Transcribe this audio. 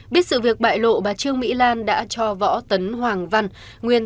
biết sự việc bại lộ bà trương mỹ lan đã cho võ tấn hoàng văn nguyên